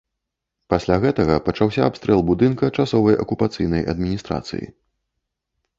Пасля гэтага, пачаўся абстрэл будынка часовай акупацыйнай адміністрацыі.